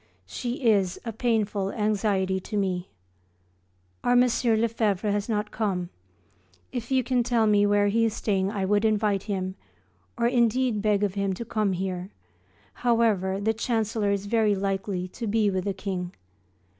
She is a painful anxiety to me. Our M. Lefevre has not come; if you can tell me where he is staying I would invite him, or indeed beg of him to come here; however, the chancellor is very likely to be with the King.